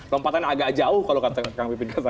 lompatannya agak jauh kalau kata kang bipin